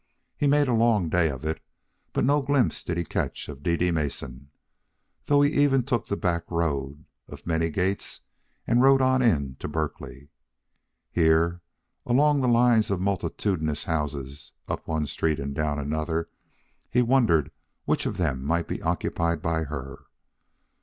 He made a long day of it, but no glimpse did he catch of Dede Mason, though he even took the back road of many gates and rode on into Berkeley. Here, along the lines of multitudinous houses, up one street and down another, he wondered which of them might be occupied by her.